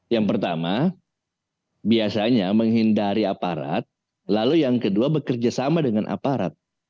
yang pertama biasanya menghindari aparat lalu yang kedua bekerja sama dengan aparat